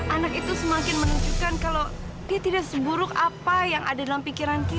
anak itu semakin menunjukkan kalau dia tidak seburuk apa yang ada dalam pikiran kita